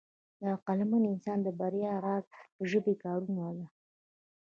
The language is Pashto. د عقلمن انسان د بریا راز د ژبې کارونه ده.